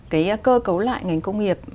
cái cơ cấu lại ngành công nghiệp